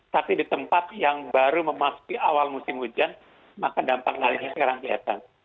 tapi di tempat yang baru memasuki awal musim hujan maka dampak darinya sekarang kelihatan